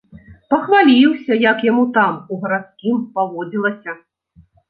Пахваліўся, як яму там, у гарадскім, паводзілася.